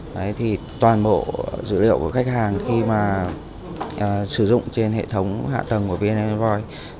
đấy thì toàn bộ dữ liệu của khách hàng khi mà sử dụng trên hệ thống hạ tầng của vn invoice